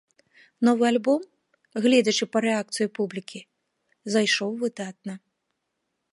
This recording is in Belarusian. Новы альбом, гледзячы па рэакцыі публікі, зайшоў выдатна.